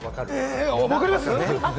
わかります？